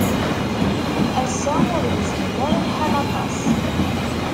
Ass-a, ur yeẓɣil ara lḥal aṭas.